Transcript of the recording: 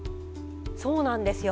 そうなんですよ。